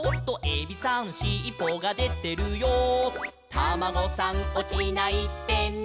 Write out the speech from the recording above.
「タマゴさんおちないでね」